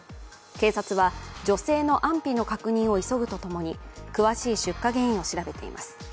警察は、女性の安否の確認を急ぐとともに詳しい出火原因を調べています。